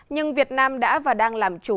nhưng việt nam đã và đang làm chủ